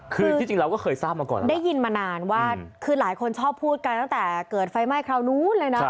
คือที่จริงเราก็เคยทราบมาก่อนได้ยินมานานว่าคือหลายคนชอบพูดกันตั้งแต่เกิดไฟไหม้คราวนู้นเลยนะ